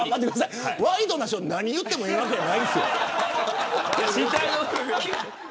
ワイドナショーは何を言ってもええわけやないんですよ。